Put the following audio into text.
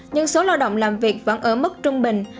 nhưng số lao động làm việc vẫn ở mức trung bình